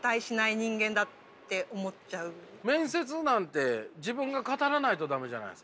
面接なんて自分が語らないと駄目じゃないですか。